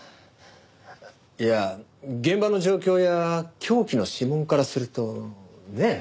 いや現場の状況や凶器の指紋からするとねえ。